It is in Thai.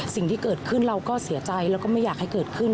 สิ่งที่เกิดขึ้นเราก็เสียใจแล้วก็ไม่อยากให้เกิดขึ้น